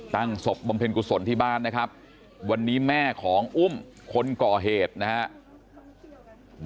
ศพบำเพ็ญกุศลที่บ้านนะครับวันนี้แม่ของอุ้มคนก่อเหตุนะครับ